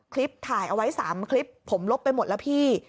คลิปถ่ายเอาไว้๓คลิปผมลบไปหมดแล้วพี่